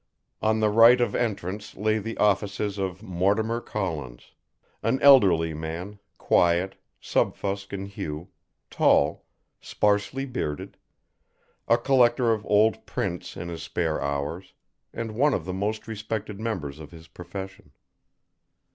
On the right of entrance lay the offices of Mortimer Collins, an elderly man, quiet, subfusc in hue, tall, sparsely bearded, a collector of old prints in his spare hours, and one of the most respected members of his profession.